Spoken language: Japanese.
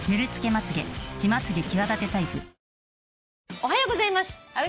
「おはようございます。